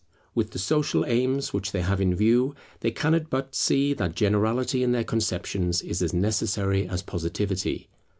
With the social aims which they have in view, they cannot but see that generality in their conceptions is as necessary as positivity.